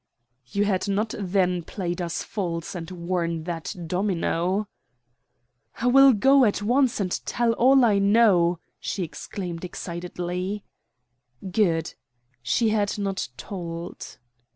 "You had not then played us false and worn that domino." "I will go at once and tell all I know," she exclaimed excitedly. Good. She had not told.